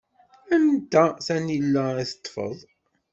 Anta tanila i teṭṭfeḍ?